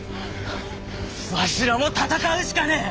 わしらも戦うしかねえ！